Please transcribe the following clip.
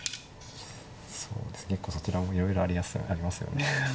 そうですね結構そちらもいろいろありますよね何か。